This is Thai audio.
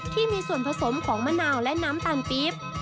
ที่มีส่วนผสมของมะนาวและน้ำตาลปี๊บ